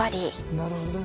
なるほどね。